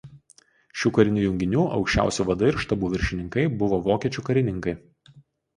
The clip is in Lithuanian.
Šių karinių junginių aukščiausi vadai ir štabų viršininkai buvo vokiečių karininkai.